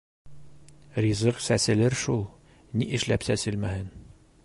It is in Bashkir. — Ризыҡ сәселер шул, ни эшләп сәселмәһен.